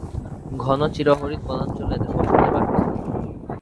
ঘন চিরহরিৎ বনাঞ্চল এদের পছন্দের বাসস্থান।